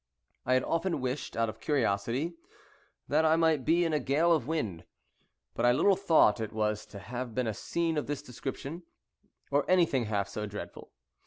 I had often wished, out of curiosity, that I might be in a gale of wind; but I little thought it was to have been a scene of this description, or anything half so dreadful.